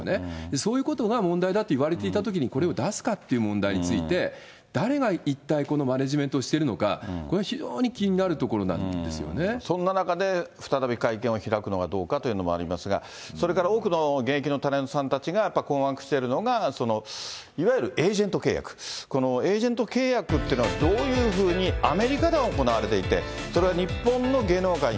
そういうことが問題だと言われていたときに、これを出すかっていう問題について、誰が一体、このマネジメントをしてるのか、これは非常に気になるところなんそんな中で、再び会見を開くのがどうかというのもありますが、それから多くの現役のタレントさんたちがやっぱり困惑しているのが、いわゆるエージェント契約、このエージェント契約っていうのが、へい「白チャーハン」！